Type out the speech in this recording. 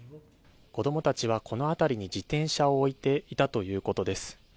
子どもたちはこの辺りに自転車を置いていたということです。